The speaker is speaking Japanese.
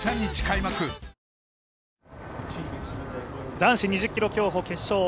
男子２０ｋｍ競歩決勝。